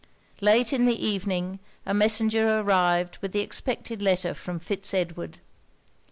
Late in the evening, a messenger arrived with the expected letter from Fitz Edward.